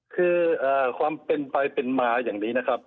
คือความเป็นไปเป็นมาอย่างนี้นะครับ